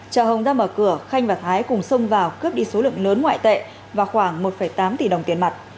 chợ hồng đang mở cửa khanh và thái cùng xông vào cướp đi số lượng lớn ngoại tệ và khoảng một tám tỷ đồng tiền mặt